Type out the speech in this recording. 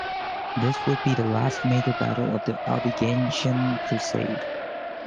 This would be the last major battle of the Albigensian crusade.